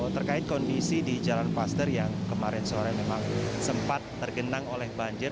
terkait kondisi di jalan paster yang kemarin sore memang sempat tergenang oleh banjir